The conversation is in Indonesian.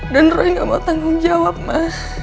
dan roy gak mau tanggung jawab ma